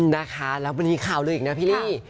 นะคะแล้ววันนี้ข่าวลืออีกนะพี่ลี่